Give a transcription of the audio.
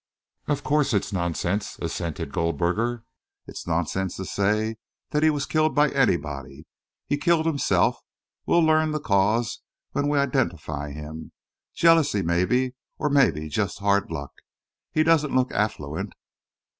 "Of course it's nonsense," assented Goldberger. "It's nonsense to say that he was killed by anybody. He killed himself. We'll learn the cause when we identify him jealousy maybe, or maybe just hard luck he doesn't look affluent."